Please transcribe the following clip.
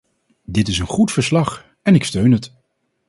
Dit is een goed verslag en ik steun het.